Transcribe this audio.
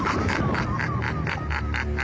ハハハハ。